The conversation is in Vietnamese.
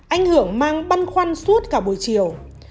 anh hưởng mang băn khoăn suốt cả buổi chiều